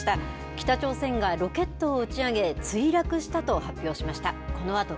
北朝鮮がロケットを打ち上げ、墜落したと発表しました。